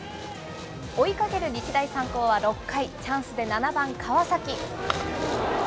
追いかける日大三高は６回、チャンスで７番川崎。